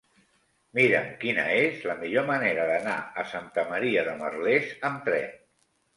Mira'm quina és la millor manera d'anar a Santa Maria de Merlès amb tren.